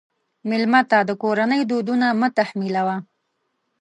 مېلمه ته د کورنۍ دودونه مه تحمیلوه.